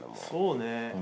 そうね。